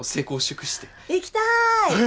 行きたい。